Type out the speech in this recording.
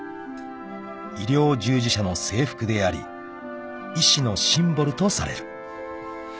［医療従事者の制服であり医師のシンボルとされる］